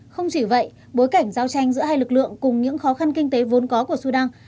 không chỉ vậy bối cảnh giao tranh giữa hai lực lượng cùng những khó khăn kinh tế vốn có của sudan